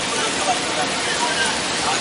له ملا څخه خوابدې سوه عورته !.